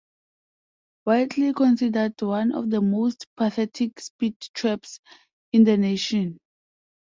Widely considered one of the most pathetic speed traps in the nation.